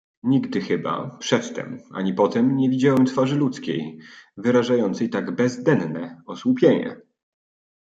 "Nigdy chyba, przedtem, ani potem, nie widziałem twarzy ludzkiej, wyrażającej tak bezdenne osłupienie!"